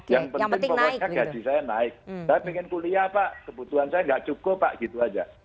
yang penting pokoknya gaji saya naik saya ingin kuliah pak kebutuhan saya nggak cukup pak gitu aja